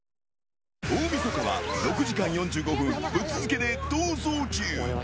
大みそかは６時間４５分ぶっ続けで「逃走中」。